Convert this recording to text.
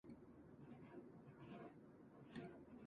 扉をつきやぶって室の中に飛び込んできました